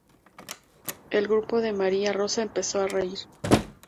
El grupo de Maria Rosa empezó a reír.